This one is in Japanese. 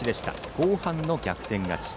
後半の逆転勝ち。